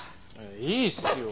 いいっすよ。